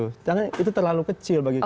karena itu terlalu kecil bagi kami